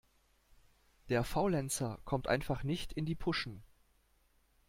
Der Faulenzer kommt einfach nicht in die Puschen.